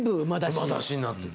馬出しになってる。